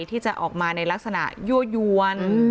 ที่จะออกมาในลักษณะยั่วยวน